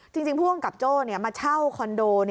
จริงผู้กำกับโจ้มาเช่าคอนโด